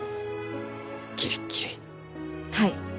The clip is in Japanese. はい。